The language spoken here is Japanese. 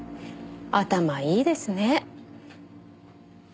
頭いいですね。